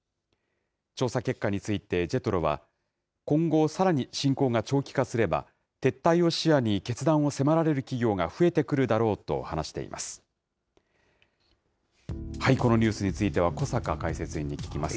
調査結果について、ＪＥＴＲＯは、今後、さらに侵攻が長期化すれば、撤退を視野に決断を迫られる企業が増えてくるだろうと話しています。